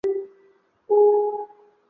卡斯蒂隆。